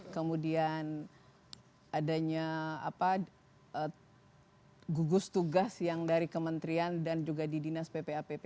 kemudian adanya gugus tugas yang dari kementerian dan juga di dinas ppapp